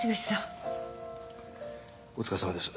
お疲れさまです。